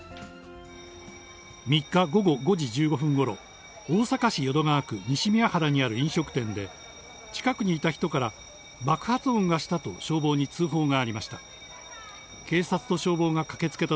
３日午後５時１５分ごろ、大阪市淀川区西宮原にある飲食店で、近くにいた人から、爆発音がしたと消防に通報がありました。